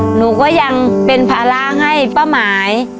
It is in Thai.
หนูก็ยังเป็นภาระให้ป้าหมาย